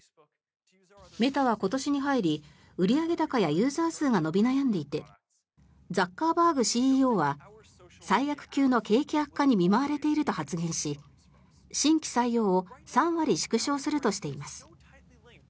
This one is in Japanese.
メタは今年に入り、売上高やユーザー数が伸び悩んでいてザッカーバーグＣＥＯは最悪級の景気悪化に見舞われていると発言し新規採用を３割縮小するとしています。